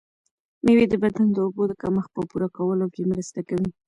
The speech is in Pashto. مېوې د بدن د اوبو د کمښت په پوره کولو کې مرسته کوي.